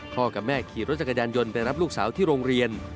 กับแม่ขี่รถจักรยานยนต์ไปรับลูกสาวที่โรงเรียน